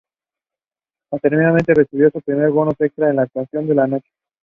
Posteriormente, recibió su primer bonus extra a la "Actuación de la Noche".